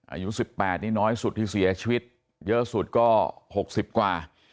อายุ๑๘นี่น้อยสุดที่เสียชีวิตเยอะสุดก็๖๐กว่า